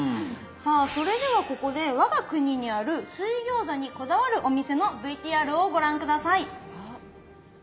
さあそれではここで我が国にある水餃子にこだわるお店のＶＴＲをご覧下さい。